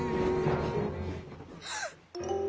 はっ！